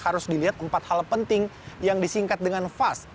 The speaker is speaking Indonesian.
harus dilihat empat hal penting yang disingkat dengan fast